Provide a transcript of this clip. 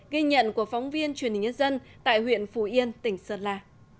ghi nhận của phóng viên truyền hình nhân dân tại huyện phù yên tỉnh sơn la